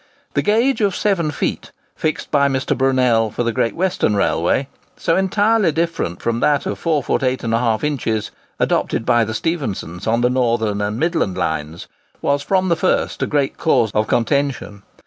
The gauge of 7 feet fixed by Mr. Brunel for the Great Western Railway, so entirely different from that of 4ft. 8½in. adopted by the Stephensons on the Northern and Midland lines, was from the first a great cause of contention.